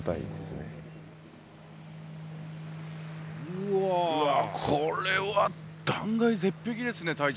うわっこれは断崖絶壁ですね隊長。